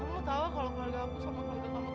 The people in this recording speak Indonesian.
kamu tahu kalau keluarga aku sama keluarga kamu